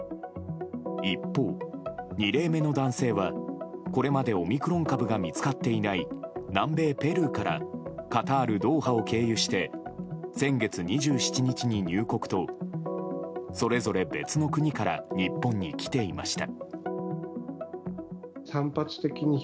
一方、２例目の男性はこれまでオミクロン株が見つかっていない南米ペルーからカタール・ドーハを経由して先月２７日入国とそれぞれ別の国から日本に来ていました。